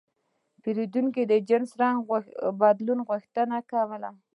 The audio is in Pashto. پیرودونکی د جنس رنګ بدلول غوښتل.